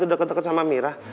deket deket sama mira